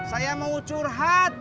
saya mau curhat